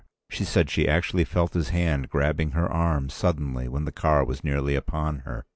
She said she actually felt his hand grabbing her arm, suddenly, when the car was nearly upon her.